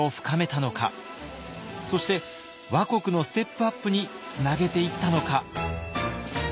そして倭国のステップアップにつなげていったのか。